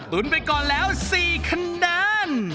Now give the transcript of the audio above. ตุ้นไปก่อนแล้ว๔คะแนน